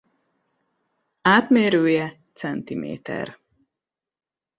Átmérője centiméter.